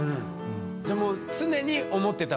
じゃあもう常に思ってたんだ。